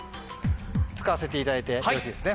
使わせていただいてよろしいですね？